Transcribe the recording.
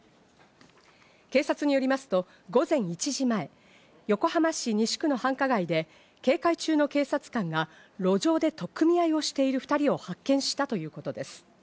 警察によりますと午前１時前、横浜市西区の繁華街で警戒中の警察官が路上で取っ組み合いをしている２人を発見したということです。